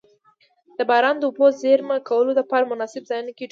د باران د اوبو د زیرمه کولو دپاره مناسب ځایونو کی ډنډونه.